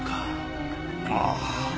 ああ。